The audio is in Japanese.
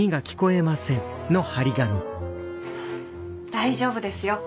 大丈夫ですよ。